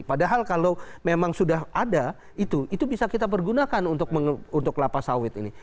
padahal kalau memang sudah ada itu itu bisa kita pergunakan untuk kelapa sawit ini